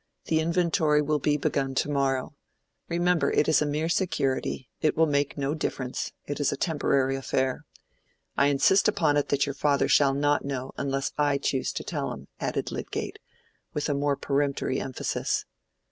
The inventory will be begun to morrow. Remember it is a mere security: it will make no difference: it is a temporary affair. I insist upon it that your father shall not know, unless I choose to tell him," added Lydgate, with a more peremptory emphasis.